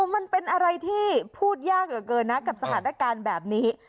มันเป็นอะไรที่พูดยากเหลือเกินนะกับสถานการณ์แบบนี้